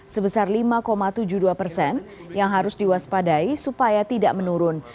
sebesar lima tujuh puluh dua persen yang harus diwaspadai supaya tidak menurun